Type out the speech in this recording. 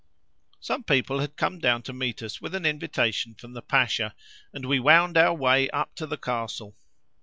Some people had come down to meet us with an invitation from the Pasha, and we wound our way up to the castle.